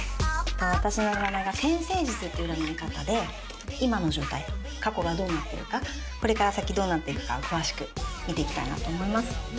私の占いが天星術っていう占い方で今の状態過去がどうなってるかこれから先どうなっていくかを詳しく見ていきたいなと思います。